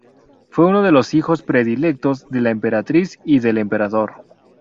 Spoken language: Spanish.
Fue uno de los hijos predilectos de la emperatriz y del emperador.